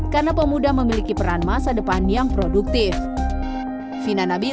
karena pemuda memiliki peran masa depan yang produktif